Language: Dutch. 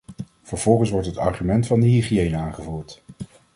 Vervolgens wordt het argument van de hygiëne aangevoerd.